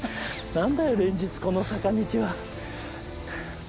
なんだよ連日この坂道は。